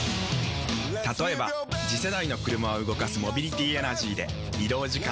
例えば次世代の車を動かすモビリティエナジーでまジカ⁉人間！